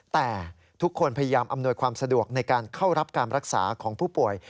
แต่ทุกคนพยายามอำนวยความสะดวกในการเข้ารับการรักษาของผู้ป่วย